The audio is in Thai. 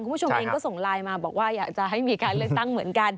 คุณผู้ชมเองก็ส่งไลน์มาบอกว่าอยากจะให้มีการเลือกตั้งเหมือนกัน